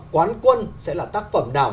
quán quân sẽ là tác phẩm nào